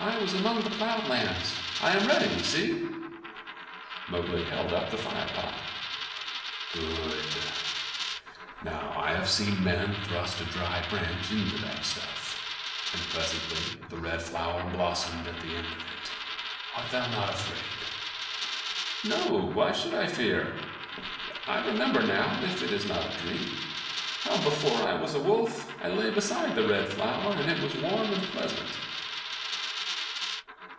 "I was among the plowed lands. I am ready. See!" Mowgli held up the fire pot. "Good! Now, I have seen men thrust a dry branch into that stuff, and presently the Red Flower blossomed at the end of it. Art thou not afraid?" "No. Why should I fear? I remember now if it is not a dream how, before I was a Wolf, I lay beside the Red Flower, and it was warm and pleasant."